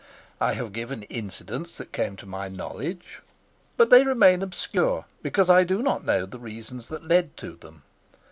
I have given incidents that came to my knowledge, but they remain obscure because I do not know the reasons that led to them.